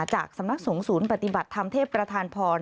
สำนักสงฆ์ศูนย์ปฏิบัติธรรมเทพประธานพร